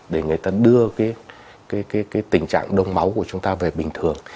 để người ta đưa cái tình trạng đông máu của chúng ta về bình thường